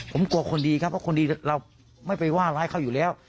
ผมกลัวคนดีครับเพราะคนดีเราไม่ไปว่าร้ายเขาอยู่แล้ว